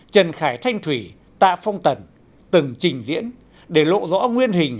trần khải thanh thủy tạ phong tần từng trình diễn để lộ rõ nguyên hình